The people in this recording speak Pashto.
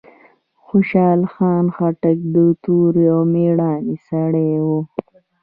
خوشحال خان خټک د توری او ميړانې سړی وه.